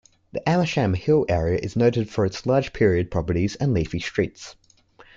The Amersham Hill area is noted for its large period properties and leafy streets.